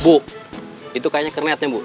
bu itu kayaknya kernetnya bu